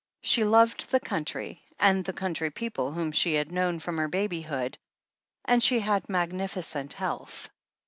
She loved the country and the country people whom she had known from her baby hood, and she had magnificent health.